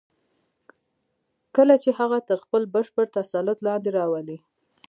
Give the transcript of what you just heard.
کله چې هغه تر خپل بشپړ تسلط لاندې راولئ.